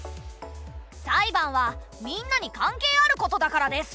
裁判はみんなに関係あることだからです！